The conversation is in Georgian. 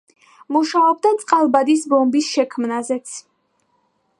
მუშაობდა წყალბადის ბომბის შექმნაზეც.